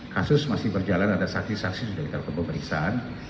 kasus masih berjalan ada saksi saksi sudah kita lakukan pemeriksaan